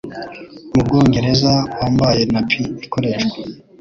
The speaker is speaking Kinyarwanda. mubwongereza wambaye Nappy ikoreshwa